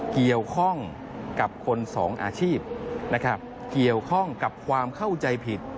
เกี่ยวข้องกับคนสองอาชีพนะครับเกี่ยวข้องกับความเข้าใจผิด